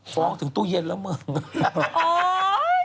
ฟ้องถึงตู้เย็นแล้วมึง